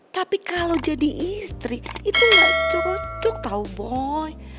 tapi kalau jadi istri itu enggak cocok tau boy